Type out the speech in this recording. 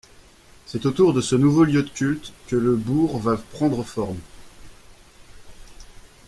C'est autour de ce nouveau lieu de culte que le bourg va prendre forme.